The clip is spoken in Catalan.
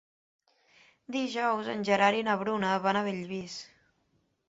Dijous en Gerard i na Bruna van a Bellvís.